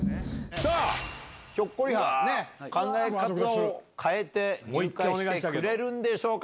さあ、ひょっこりはん、考え方を変えてくれるんでしょうか。